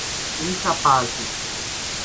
incapazes